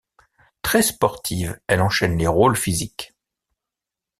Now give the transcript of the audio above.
Très sportive, elle enchaîne les rôles physiques.